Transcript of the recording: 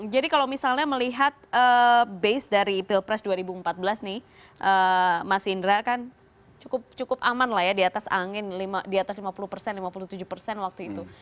jadi kalau misalnya melihat base dari pilpres dua ribu empat belas nih mas indra kan cukup aman lah ya di atas angin di atas lima puluh persen lima puluh tujuh persen waktu itu